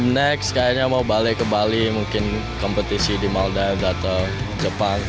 next kayaknya mau balik ke bali mungkin kompetisi di maldive atau jepang